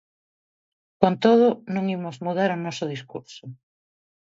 Con todo, non imos mudar o noso discurso.